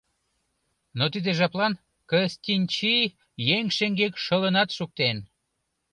Но тиде жаплан Кыстинчи еҥ шеҥгек шылынат шуктен.